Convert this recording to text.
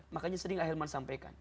makanya sering ahilman sampaikan